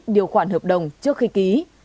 điều khoản hợp đồng trước khi ký